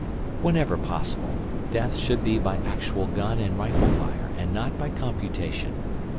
Whenever possible, death should be by actual gun and rifle fire and not by computation.